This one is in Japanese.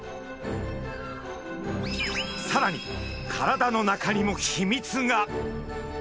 さらに体の中にも秘密が！